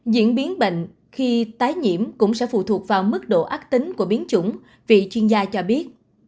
diễn biến bệnh khi tái nhiễm cũng sẽ phụ thuộc vào mức độ ác tính của biến chủng vị chuyên gia cho biết